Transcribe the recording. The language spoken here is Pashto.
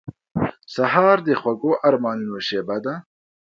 سهار د خوږو ارمانونو شېبه ده.